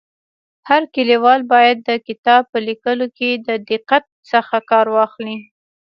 هر لیکوال باید د کتاب په ليکلو کي د دقت څخه کار واخلي.